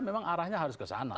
memang arahnya harus ke sana